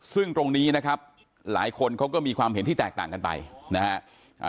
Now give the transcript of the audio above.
ซึ่งตรงนี้นะครับหลายคนเขาก็มีความเห็นที่แตกต่างกันไปนะฮะ